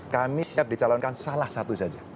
kami siap dicalonkan salah satu saja